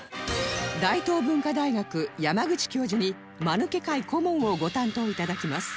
大東文化大学山口教授にまぬけ会顧問をご担当いただきます